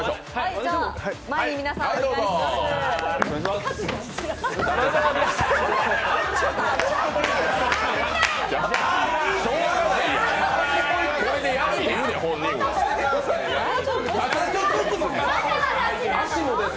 前に、皆さんお願いします。